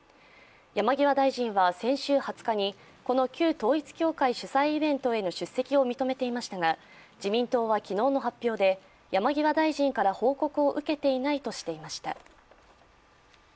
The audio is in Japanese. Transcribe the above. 山際大臣は先週２０日にこの旧統一教会主催のイベントへの出席を認めていましたが自民党は昨日の発表で山際大臣から報告を受けていないとしていました。